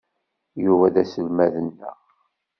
Yuba d aselmad-nneɣ.